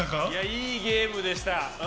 いいゲームでした。